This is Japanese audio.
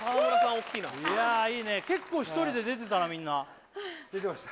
おっきいないやいいね結構１人で出てたなみんな出てました？